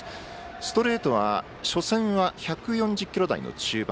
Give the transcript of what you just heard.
ストレートは初戦は１４０キロ台の中盤。